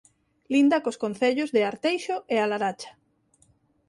Linda cos concellos de Arteixo e A Laracha.